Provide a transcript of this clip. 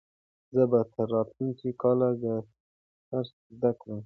زه به تر راتلونکي کاله ګرامر زده کړم.